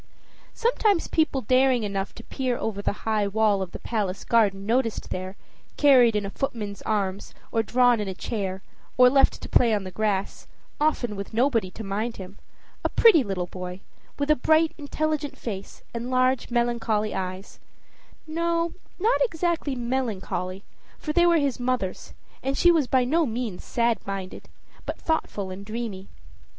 Sometimes people daring enough to peer over the high wall of the palace garden noticed there, carried in a footman's arms, or drawn in a chair, or left to play on the grass, often with nobody to mind him, a pretty little boy, with a bright, intelligent face and large, melancholy eyes no, not exactly melancholy, for they were his mother's, and she was by no means sad minded, but thoughtful and dreamy.